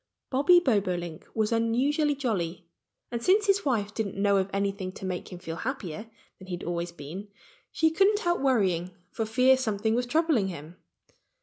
Bobby Bobolink was unusually jolly. And since his wife didn't know of anything to make him feel happier than he had always been, she couldn't help worrying for fear something was troubling him.